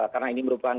karena ini merupakan isu